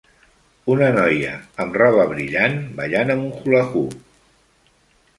Una noia amb roba brillant ballant amb un hula hoop.